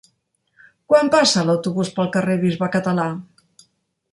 Quan passa l'autobús pel carrer Bisbe Català?